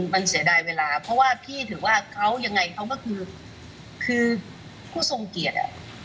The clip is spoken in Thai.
มันเสียดายเวลาเพราะว่าพี่ถือว่าเขายังไงเขาก็คือคือผู้ทรงเกียรติอ่ะ